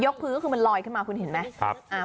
พื้นก็คือมันลอยขึ้นมาคุณเห็นไหม